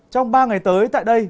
trong ba ngày tới tại đây